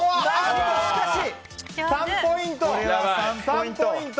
３ポイント！